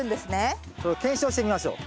それを検証してみましょう。